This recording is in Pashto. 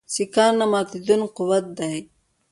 سیکهان نه ماتېدونکی قوت دی.